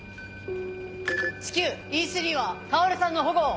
至急Ｅ３は薫さんの保護を。